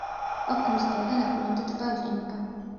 ოქტომბრის ბოლოდან აპრილამდე ტბა იყინება.